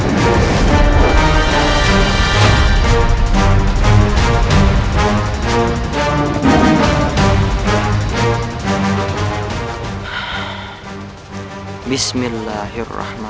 ayo kita berangkat ke penjajaran